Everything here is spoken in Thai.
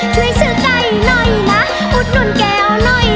ช่วยซื้อไก่หน่อยละอุดหนุนแก้วหน่อย